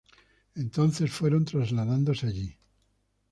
Entonces fueron trasladándose allí.